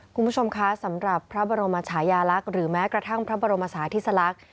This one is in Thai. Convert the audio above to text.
คุณผู้ชมคะสำหรับพระบรมชายาลักษณ์หรือแม้กระทั่งพระบรมศาธิสลักษณ์